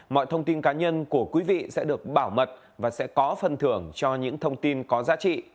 mọi thông tin cá nhân của quý vị sẽ được bảo mật và sẽ có phần thưởng cho những thông tin có giá trị